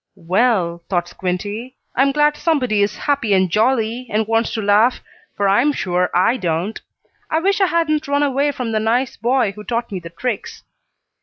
"Well," thought Squinty, "I'm glad somebody is happy and jolly, and wants to laugh, for I'm sure I don't. I wish I hadn't run away from the nice boy who taught me the tricks."